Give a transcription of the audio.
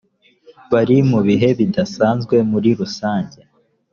bari mubihe bidasanzwe muri rusange